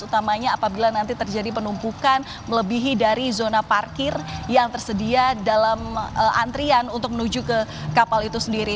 utamanya apabila nanti terjadi penumpukan melebihi dari zona parkir yang tersedia dalam antrian untuk menuju ke kapal itu sendiri